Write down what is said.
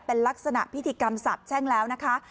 เป็นลักษณะพิธีกรรมสาบแช่งแล้วนะคะ